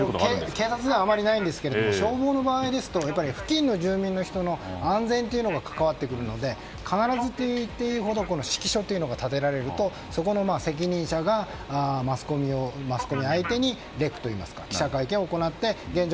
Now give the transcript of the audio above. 警察ではあまりないんですが消防の場合ですと付近の住民の安全がかかわってくるので必ずと言っていいほど指揮所というのが立てられるとそこの責任者がマスコミを相手にレクというか記者会見を行って現状